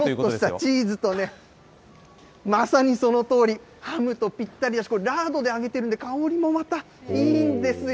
チーズとね、まさにそのとおり、ハムとぴったりだし、ラードで揚げてるんで、香りもまたいいんですよ。